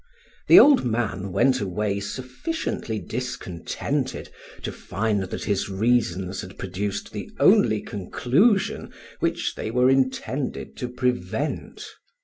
The old man went away sufficiently discontented to find that his reasonings had produced the only conclusion which they were intended to prevent.